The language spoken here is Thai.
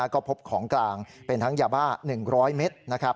ก็พบของกลางเป็นทั้งยาบ้า๑๐๐เมตรนะครับ